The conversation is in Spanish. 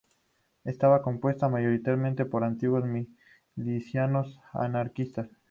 Estaba compuesta mayoritariamente por antiguos milicianos anarquistas.